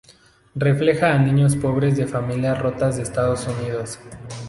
Refleja a los niños pobres de familias rotas de Estados Unidos.